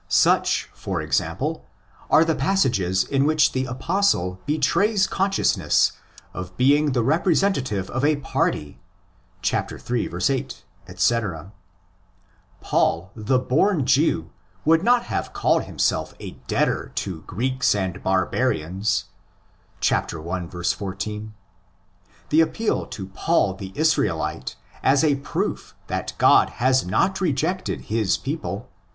Such, for example, are the passages in which the Apostle betrays consciousness of being the representative of a party (iii. 8, etc.). Paul the born Jew would not have called himself a debtor to '' Greeks and barbarians "' (i. 14). The appeal to Paul the Israelite as a proof that God has not rejected his people (xi.